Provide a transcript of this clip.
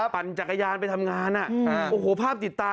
ปั่นจักรยานไปทำงานโอ้โหภาพติดตา